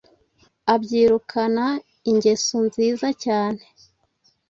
abyirukana ingeso nziza cyane,